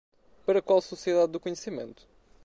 Para qual Sociedade do Conhecimento?